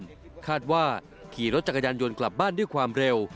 กับเพื่อนบ้านคาดว่าขี่รถจักรยานยนต์กลับบ้านด้วยความเร็ว